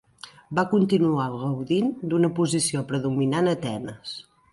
Va continuar gaudint d'una posició predominant a Atenes.